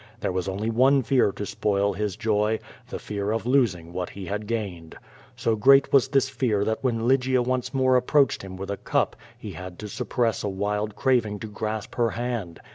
There was only one fear to spoil his joy — the fear of losing what he had gained. So great was this fear that when Lygia once more approached him with a cup he had to suppress a wild craving to grasp her hand.